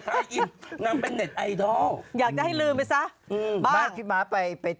เขาจะเจอเริ่มเริ่มอยู่